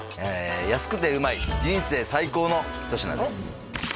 安くてうまい人生最高の一品です